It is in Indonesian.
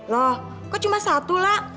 loh kok cuma satu lah